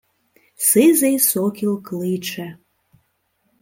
Сизий сокіл кличе